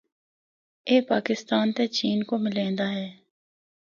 اے پاکستان تے چین کو ملیندا ہے۔